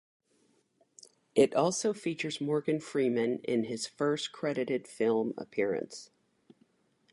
It also features Morgan Freeman in his first credited film appearance.